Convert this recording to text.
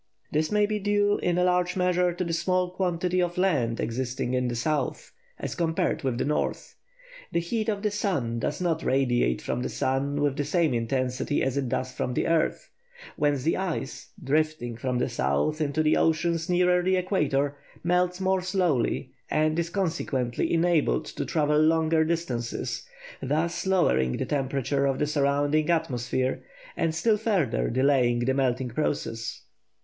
This may be due, in a large measure, to the small quantity of land existing in the south, as compared with the north. The heat of the sun does not radiate from the sea with the same intensity as it does from the earth, whence the ice, drifting from the south into the oceans nearer the equator, melts more slowly, and is consequently enabled to travel longer distances, thus lowering the temperature of the surrounding atmosphere and still further delaying the melting process.